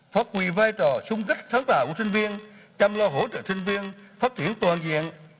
phát huy vai trò sung kích sáng tạo của sinh viên chăm lo hỗ trợ sinh viên phát triển toàn diện